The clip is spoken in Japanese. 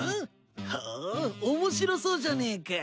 ほう面白そうじゃねえか。